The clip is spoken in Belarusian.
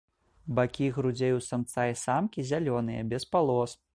Бакі грудзей у самца і самкі зялёныя, без палос.